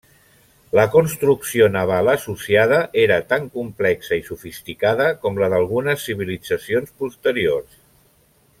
La construcció naval associada era tan complexa i sofisticada com la d’algunes civilitzacions posteriors.